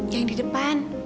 yang di depan